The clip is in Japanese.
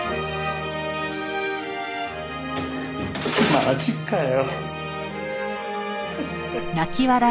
マジかよ。